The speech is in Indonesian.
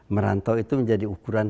merantau itu menjadi ukuran